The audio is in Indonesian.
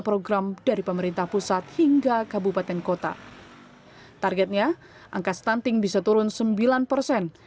program dari pemerintah pusat hingga kabupaten kota targetnya angka stunting bisa turun sembilan persen